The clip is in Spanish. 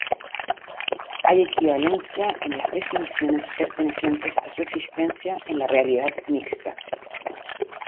Hay equivalencia en las definiciones pertenecientes a su existencia en la realidad mixta.